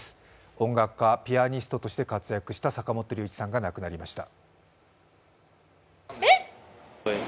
音楽家、ピアニストとして活躍した坂本龍一さんが亡くなりました。